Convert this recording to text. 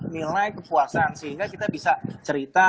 nilai kepuasan sehingga kita bisa cerita